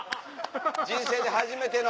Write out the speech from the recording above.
人生で初めての。